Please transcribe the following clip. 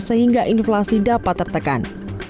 sehingga inflasi dapat tertekan